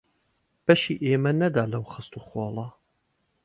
بەشی ئێمەی نەدا لەو خەست و خۆڵە